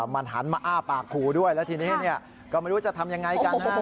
มันหันมาอ้าปากขู่ด้วยแล้วทีนี้ก็ไม่รู้จะทำยังไงกันฮะ